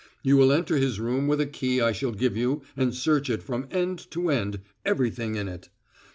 You will enter his room with a key I shall give you and search it from end to end everything in it.